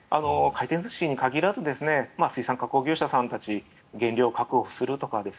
回転寿司に限らず水産加工業者さんたち原料を確保するとか。